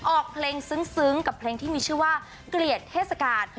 ออกเพลงซึ้งกับเพลงที่มีชื่อว่าเกลียดเทศกาล